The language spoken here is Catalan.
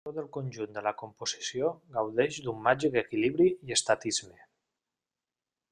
Tot el conjunt de la composició gaudeix d'un màgic equilibri i estatisme.